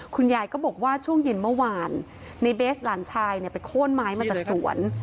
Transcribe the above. คุณยายก็บอกว่าช่วงเย็นเมื่อวานในเบสหลานชายเนี่ยไปโค้นไม้มาจากสวน